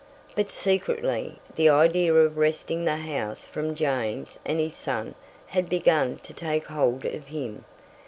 But secretly, the idea of wresting the house from James and his son had begun to take hold of him.